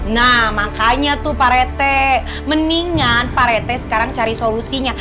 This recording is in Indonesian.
nah makanya tuh pak rete mendingan pak rete sekarang cari solusinya